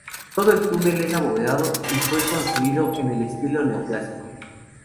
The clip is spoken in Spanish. Todo el túnel es abovedado, y fue construido en estilo neo-clásico.